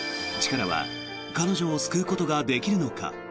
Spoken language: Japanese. チカラは彼女を救うことができるのか？